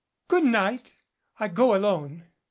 Good night. I go alone."